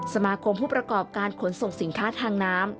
สมาคมผู้ประกอบการขนส่งสินค้าทางน้ำ